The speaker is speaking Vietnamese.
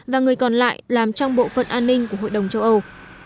và người còn lại làm trong bộ phận an ninh của hội đồng châu âu